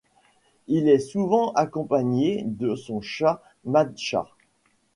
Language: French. Il est souvent accompagné de son chat Madchat.